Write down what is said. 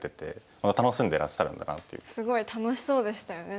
すごい楽しそうでしたよね